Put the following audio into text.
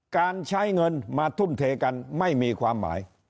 การใช้เงินมาทุ่มเทกันไม่มีความหมาย